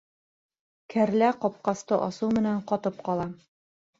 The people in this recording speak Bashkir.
Кәрлә ҡапҡасты асыу менән ҡатып ҡала.